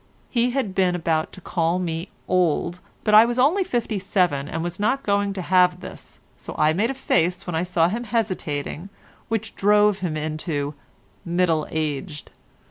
He had been about to call me old, but I was only fifty seven, and was not going to have this, so I made a face when I saw him hesitating, which drove him into "middle aged."